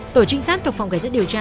tổ trinh sát thuộc phòng kẻ dân điều tra